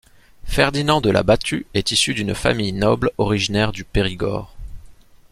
Ferdinand de La Batut est issu d'une famille noble originaire du Périgord.